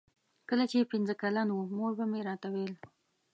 کله چې پنځه کلن وم مور به مې راته ویل.